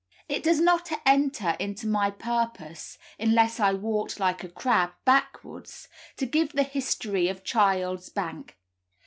It does not enter into my purpose (unless I walked like a crab, backwards) to give the history of Child's bank.